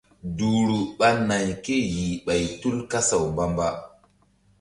Duhru ɓa nay kéyih ɓay tul kasaw mba-mba.